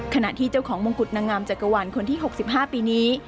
ขณะที่เจ้าของมงกุฎนางงามจักรวรรณคนที่๖๕ปีนี้